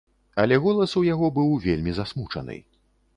Але голас у яго быў вельмі засмучаны.